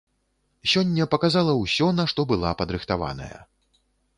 Сёння паказала ўсё, на што была падрыхтаваная.